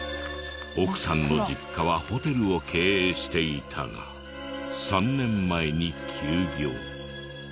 奥さんの実家はホテルを経営していたが３年前に休業。